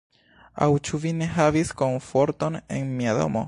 Aŭ ĉu vi ne havis komforton en mia domo?